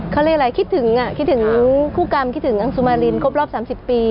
เขาเรียกอะไรคิดถึงคิดถึงคู่กรรมคิดถึงอังสุมารินครบรอบ๓๐ปี